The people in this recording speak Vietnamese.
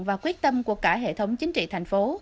và quyết tâm của cả hệ thống chính trị thành phố